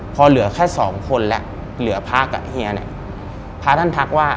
พอเหลือแค่สองคนแล้วเหลือพระกับเฮียเนี่ยพระท่านทักว่า